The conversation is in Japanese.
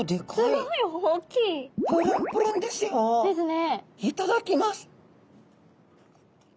いただきます。